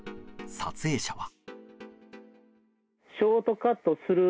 撮影者は。